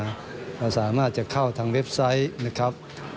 เราสามารถจะเข้าทางเว็บไซต์นะครับ